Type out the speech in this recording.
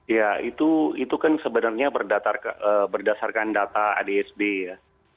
ya itu kan sebenarnya berdasarkan data adsb ya